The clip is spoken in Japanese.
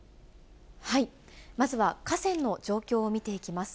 まずは河川の状況を見ていきます。